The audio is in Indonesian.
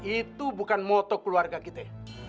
itu bukan moto keluarga kita